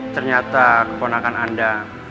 ternyata keponakan anda